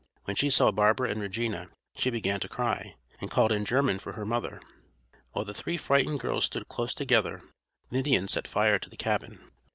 When she saw Barbara and Regina she began to cry, and called in German for her mother. While the three frightened girls stood close together the Indians set fire to the cabin.